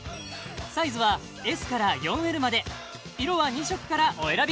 サイズはＳから４Ｌまで色は２色からお選び